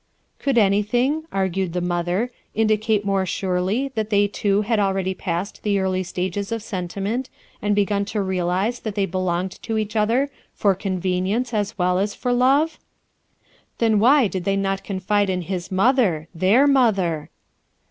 Could anything, argued the mother, indicate more surely that they two had already passed the early stages of sentiment, and begun to realize that they belonged to each other for convenience as well as for love ? Then why did they not confide in lug mother, their mother?